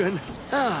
ああ。